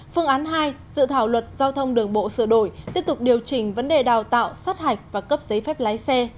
phương án hai dự thảo luật giao thông đường bộ sửa đổi tiếp tục điều chỉnh vấn đề đào tạo sát hạch và cấp giấy phép lái xe